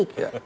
cukup baik ya